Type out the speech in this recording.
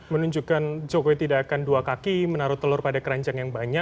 menunjukkan jokowi tidak akan dua kaki menaruh telur pada keranjang yang banyak